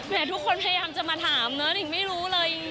ทุกคนพยายามจะมาถามเนอนิ่งไม่รู้เลย